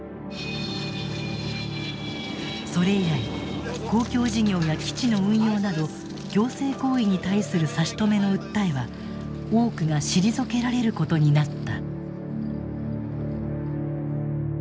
それ以来公共事業や基地の運用など行政行為に対する差し止めの訴えは多くが退けられることになった。